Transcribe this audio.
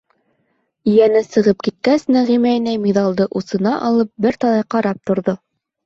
Ейәне сығып киткәс, Нәғимә инәй миҙалды усына алып, бер талай ҡарап торҙо.